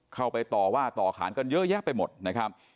เข้าไปต่อว่าต่อขานกันเยอะแยะไปหมดนะครับ